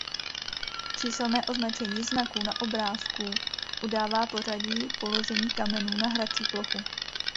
Číselné označení znaků na obrázků udává pořadí položení kamenů na hrací plochu.